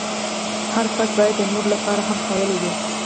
هر فرد باید د نورو لپاره هم قایل وي.